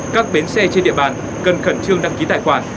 các bến xe trên địa bàn cần khẩn trương đăng ký tài khoản